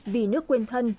vì nước quên thân